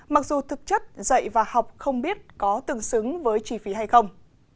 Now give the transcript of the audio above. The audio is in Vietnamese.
mặc dù thực chất dạy và học không biết có tương xứng với chi phí hay không